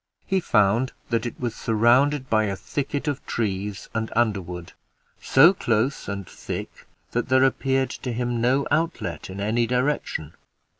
He found that it was surrounded by a thicket of trees and underwood, so close and thick that there appeared to him no outlet in any direction.